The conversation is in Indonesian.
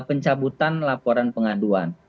pencabutan laporan pengaduan